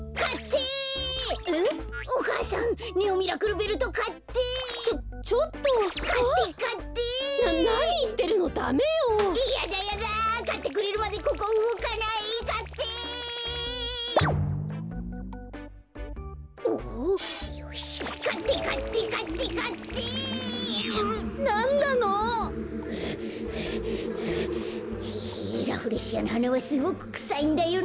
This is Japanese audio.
こころのこえヘヘッラフレシアのはなはすごくくさいんだよね。